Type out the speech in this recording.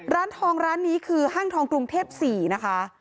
ร้านทองร้านนี้คือห้างทองกรุงเทพ๔นะคะ